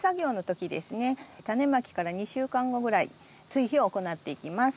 タネまきから２週間後ぐらい追肥を行っていきます。